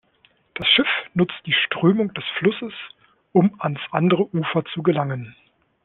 Das Schiff nutzt die Strömung des Flusses, um ans andere Ufer zu gelangen.